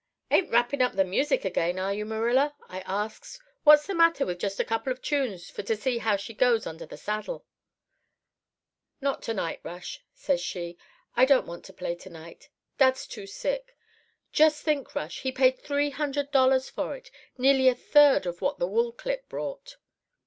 "'Ain't wrapping up the music again, are you, Marilla?' I asks. 'What's the matter with just a couple of tunes for to see how she goes under the saddle?' "'Not to night, Rush,' says she. 'I don't want to play any to night. Dad's too sick. Just think, Rush, he paid three hundred dollars for it —nearly a third of what the wool clip brought!